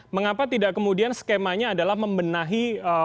mengapa tidak kemudian skemanya adalah membenahi